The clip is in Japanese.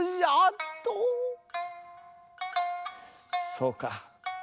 そうか。